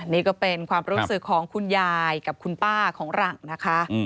นี่ก็เป็นความรู้สึกของคุณยายกับคุณป้าของหลังนะคะ